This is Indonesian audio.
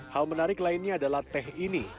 hal menarik lainnya adalah teh ini